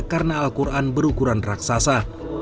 karena al quran berukuran raksasa